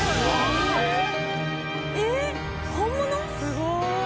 すごーい。